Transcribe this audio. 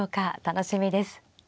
楽しみです。